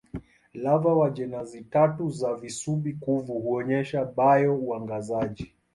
Lava wa jenasi tatu za visubi-kuvu huonyesha bio-uangazaji.